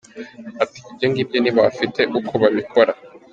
Ati “ ibyo ngibyo nibo bafite uko babikora”.